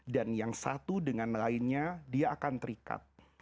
dan yang satu dengan lainnya dia akan terikat